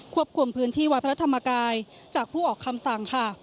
คุมพื้นที่วัดพระธรรมกายจากผู้ออกคำสั่งค่ะ